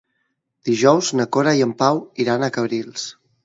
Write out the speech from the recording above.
Dijous na Cora i en Pau iran a Cabrils.